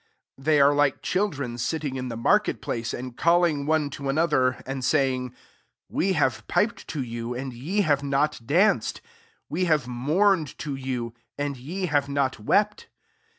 32 They are like children sitting in the market place, and calling one to another, and saying, * We have piped to you, and ye have not danced : we have mourned to you, and ye have not wept.